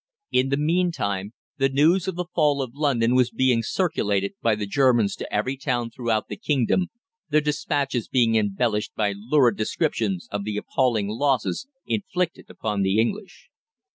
In the meantime the news of the fall of London was being circulated by the Germans to every town throughout the kingdom, their despatches being embellished by lurid descriptions of the appalling losses inflicted upon the English.